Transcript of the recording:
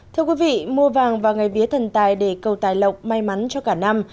thưa quý vị mua vàng vào ngày vía thần tài để cầu tài lộc may mắn cho cả năm